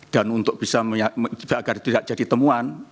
dan untuk bisa agar tidak jadi temuan